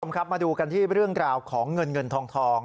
มาดูกันที่เรื่องราวของเงินทอง